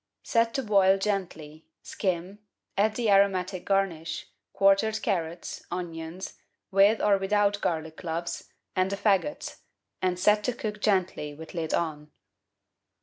Set to boil gently, skim, add the aromatic garnish, quartered carrots, onions, with or without garlic cloves, and a faggot, and set to cook gently with lid on.